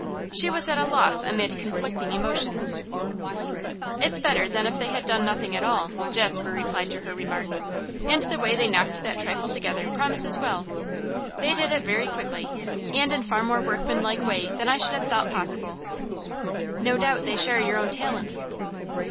She was at a loss amid conflicting emotions. 'It's better than if they had done nothing at all,' Jasper replied to her remark. 'And the way they knocked that trifle together promises well. They did it very quickly, and in a far more workmanlike way than I should have thought possible.' 'No doubt they share your own talent.